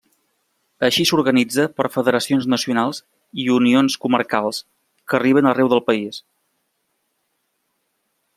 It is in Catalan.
Així s'organitza per Federacions Nacionals i Unions Comarcals, que arriben arreu del país.